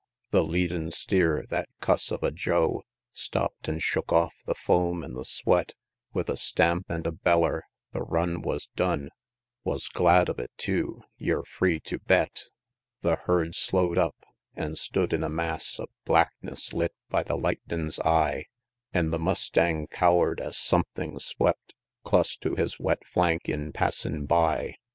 The leadin' steer, that cuss of a Joe Stopp'd an' shook off the foam an' the sweat, With a stamp and a beller the run was done, Wus glad of it, tew, yer free tew bet! LI. The herd slow'd up; an' stood in a mass Of blackness, lit by the lightnin's eye: An' the mustang cower'd es something swept Clus to his wet flank in passin' by.